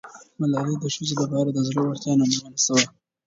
ملالۍ د ښځو لپاره د زړه ورتیا نمونه سوه.